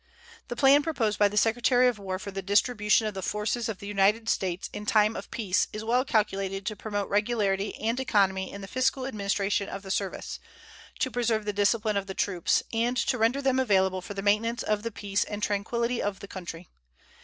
The plan proposed by the Secretary of War for the distribution of the forces of the United States in time of peace is well calculated to promote regularity and economy in the fiscal administration of the service, to preserve the discipline of the troops, and to render them available for the maintenance of the peace and tranquillity of the Country.